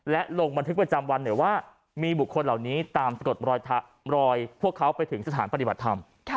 และลงบันทึกประจำวันหน่อยว่ามีบุคคลเหล่านี้ตามปรากฏรอยพวกเขาไปถึงสถานปฏิบัติธรรม